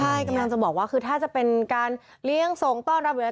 เมื่อกำลังจะบอกว่าคือถ้าจะเป็นการเลี้ยงสงต้นรับบิน